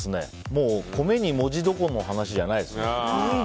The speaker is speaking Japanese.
もう米に文字どころの話じゃないですね。